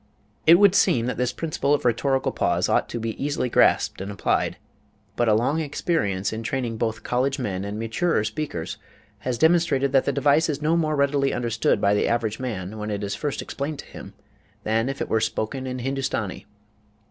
It would seem that this principle of rhetorical pause ought to be easily grasped and applied, but a long experience in training both college men and maturer speakers has demonstrated that the device is no more readily understood by the average man when it is first explained to him than if it were spoken in Hindoostani.